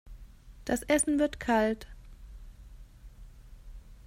Das Essen wird kalt.